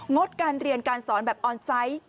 ดการเรียนการสอนแบบออนไซต์